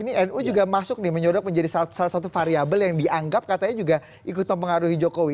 ini nu juga masuk nih menyodok menjadi salah satu variabel yang dianggap katanya juga ikut mempengaruhi jokowi